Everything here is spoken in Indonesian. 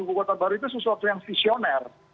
ibu kota baru itu sesuatu yang visioner